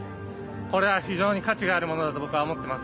これは非常に価値があるものだと僕は思っています。